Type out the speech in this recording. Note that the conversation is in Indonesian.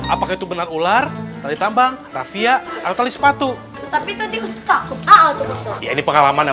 apakah itu benar ular tadi tambang raffia atau sepatu tapi tadi takut ya ini pengalaman dan